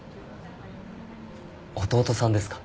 弟さんですか？